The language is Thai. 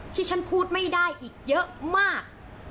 ที่ฉันพูดไม่ได้อีกเยอะมาก